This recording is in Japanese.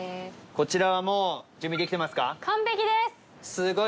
こちらはもう準備できてますか？